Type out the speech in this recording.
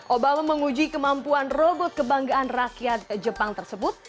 obama menguji kemampuan robot kebanggaan rakyat jepang tersebut